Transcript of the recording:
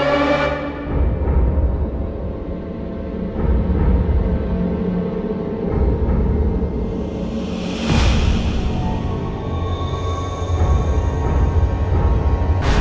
นักสู้ชีวิตแต่ละคนก็ฝ่าฟันและสู้กับเพลงนี้มาก็หลายรอบ